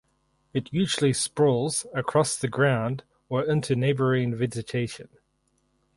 It usually sprawls across the ground or onto neighboring vegetation.